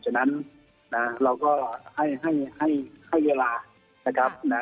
ฉะนั้นนะเราก็ให้เวลานะครับนะ